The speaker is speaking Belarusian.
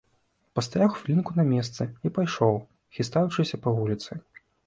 Пастаяў хвілінку на месцы і пайшоў, хістаючыся, па вуліцы.